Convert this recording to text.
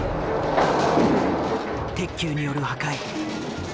鉄球による破壊。